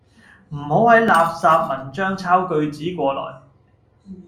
唔好喺垃圾文章抄句子過來